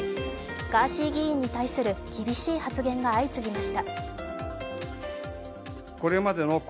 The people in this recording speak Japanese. ガーシー議員に対する厳しい発言が相次ぎました。